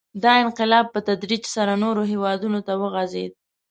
• دا انقلاب په تدریج سره نورو هېوادونو ته وغځېد.